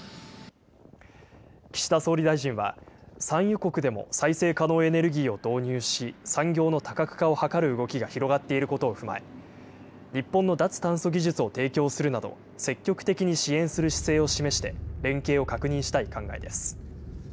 岸田総理大臣は産油国でも再生可能エネルギーを導入し、産業の多角化を図る動きが広がっていることを踏まえ、日本の脱炭素技術を提供するなど、積極的に支援する姿勢を示して、連携を確認したい考えです。